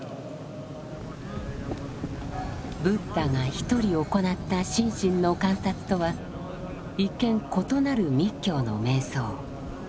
ブッダが一人行った心身の観察とは一見異なる密教の瞑想。